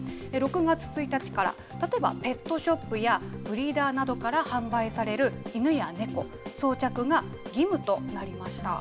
６月１日から、例えば、ペットショップやブリーダーなどから販売される犬や猫、装着が義務となりました。